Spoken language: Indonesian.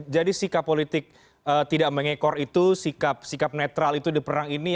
jadi sikap politik tidak mengikor itu sikap netral itu di perang ini